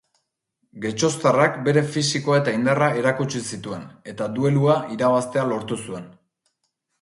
Getxoztarrak bere fisikoa eta indarra erakutsi zituen, eta duelua irabaztea lortu zuen.